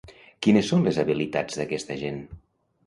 Quines són les habilitats d'aquesta gent?